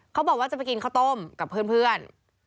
เขาบอกว่าจะไปกินข้าวต้มกับเพื่อน